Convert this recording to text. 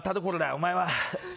お前は？